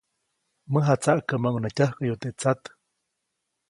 Mäjatsaʼkäʼmäʼuŋ nä tyäjkäyu teʼ tsat.